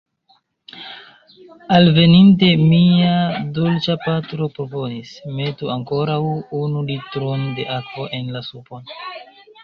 Alveninte, mia Dolĉapatro proponis: metu ankoraŭ unu litron da akvo en la supon.